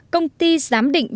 một công ty giám định